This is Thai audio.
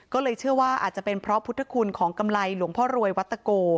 ก็เลยเชื่อว่าอาจจะเป็นเพราะพุทธคุณของกำไรหลวงพ่อรวยวัตโก